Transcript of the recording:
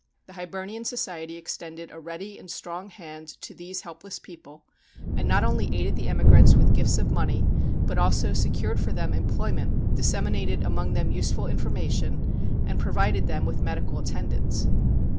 The Hibernian Society extended a ready and strong hand to these helpless people, and not only aided the emigrants with gifts of money, but also secured for them employment, disseminated among them useful information, and provided them with medical attendance.